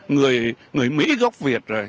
người mỹ gốc việt rồi